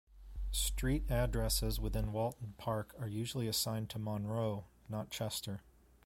Street addresses within Walton Park are usually assigned to Monroe, not Chester.